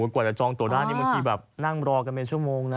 กว่าจะจองตัวได้นี่บางทีแบบนั่งรอกันเป็นชั่วโมงนะ